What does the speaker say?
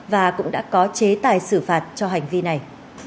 và cũng đã có chế tài xử phạt cho hành vi này